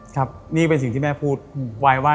ครับนี่เป็นสิ่งที่แม่พูดไว้ว่า